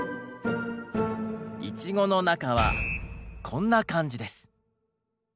イチゴの中はこんな感じです。